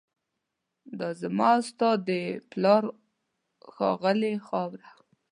دا زما او ستا د پلار ښاغلې خاوره